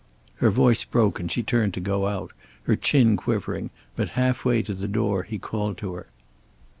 Her voice broke and she turned to go out, her chin quivering, but half way to the door he called to her.